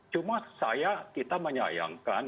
cuma saya kita menyayangkan